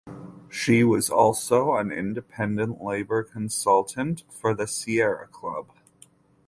She was also an independent labor consultant for the Sierra Club.